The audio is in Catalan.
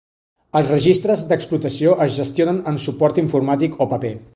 Els registres d'explotació es gestionen en suport informàtic o paper.